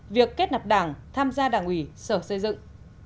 việc kết nạp đảng tham gia đảng ủy sở xây dựng